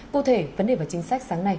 cụ thể vấn đề về chính sách sáng nay